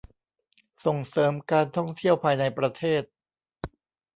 ส่งเสริมการท่องเที่ยวภายในประเทศ